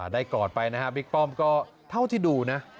กอดไปนะฮะบิ๊กป้อมก็เท่าที่ดูนะ